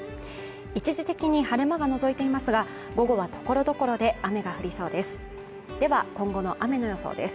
一時的に晴れ間がのぞいていますが、午後は所々で雨が降りそうです。